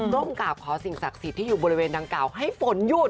้มกราบขอสิ่งศักดิ์สิทธิ์ที่อยู่บริเวณดังกล่าวให้ฝนหยุด